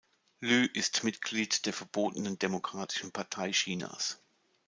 Lü ist Mitglied der verbotenen Demokratischen Partei Chinas.